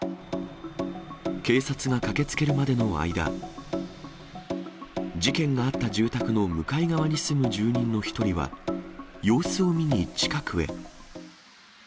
警察が駆けつけるまでの間、事件があった住宅の向かい側に住む住人の１人は、様子を見に近くへ。